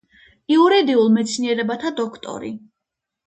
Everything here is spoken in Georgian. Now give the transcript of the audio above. იურიდიულ მეცნიერებათა დოქტორი.